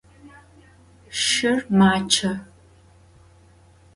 Şşır maççe.